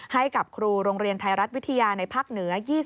ให้กับครูโรงเรียนไทยรัฐวิทยาในภาคเหนือ